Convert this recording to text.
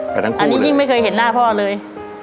ไปทั้งคู่เลยอันนี้ยิ่งไม่เคยเห็นหน้าพ่อเลย